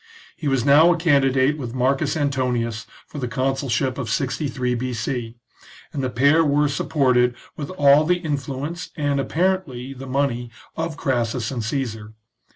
He was now a candidate with M. Antonius for the consulship of 63 B.C., and the pair were supported with all the influence, and, apparently, the money of Crassus and Caesar.